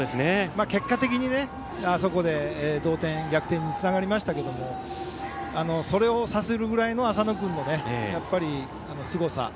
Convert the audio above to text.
結果的に、あそこで同点、逆転につながりましたがそれをさせるぐらいの浅野君のすごさ。